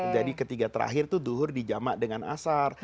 jadi ketiga terakhir tuh duhur di jamak dengan asar